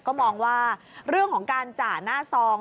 ทุกข้าวก่อนคิดว่าเรื่องของการเจาะหน้าซอง